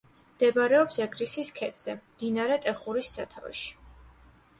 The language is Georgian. მდებარეობს ეგრისის ქედზე, მდინარე ტეხურის სათავეში.